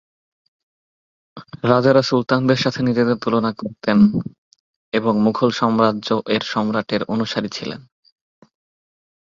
রাজারা সুলতানদের সাথে নিজেদের তুলনা করতেন এবং মুঘল সাম্রাজ্য এর সম্রাটের অনুসারী ছিলেন।